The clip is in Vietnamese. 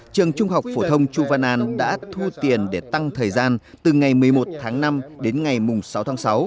trường trung học phổ thông chu văn an đã thu tiền để tăng thời gian từ ngày một mươi một tháng năm đến ngày sáu tháng sáu